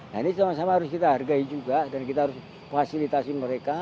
nah ini sama sama harus kita hargai juga dan kita harus fasilitasi mereka